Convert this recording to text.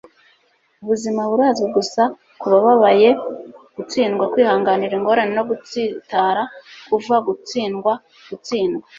ubuzima burazwi gusa kubababaye, gutsindwa, kwihanganira ingorane no gutsitara kuva gutsindwa gutsindwa